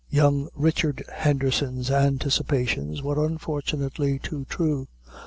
Young Richard Henderson's anticipations were, unfortunately, too true.